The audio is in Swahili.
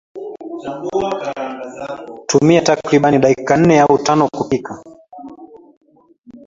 Tumia takriban dakika nnetanokupika